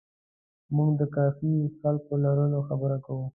موږ د کافي خلکو د لرلو خبره کوو.